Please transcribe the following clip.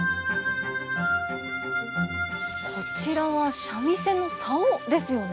こちらは三味線の棹ですよね。